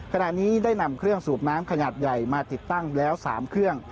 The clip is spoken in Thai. ขณะนี้ได้นำเครื่องสูบน้ำขนาดใหญ่มาติดตั้งแล้ว๓เครื่อง